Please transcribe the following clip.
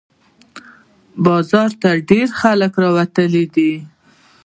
بازار ته ډېر خلق راوتي دي